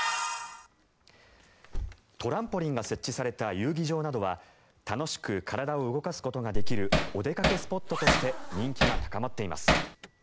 トランポリンが設置された遊技場などは楽しく体を動かすことができるお出かけスポットとして人気が高まっています。